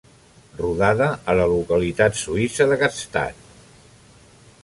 Rodada a la localitat suïssa de Gstaad.